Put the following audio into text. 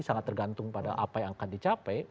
sangat tergantung pada apa yang akan dicapai